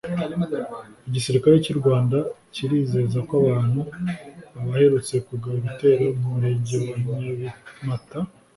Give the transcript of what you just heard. Igisirikare cy’u Rwanda kirizeza ko abantu abaherutse kugaba igitero mu Murenge wa Nyabimata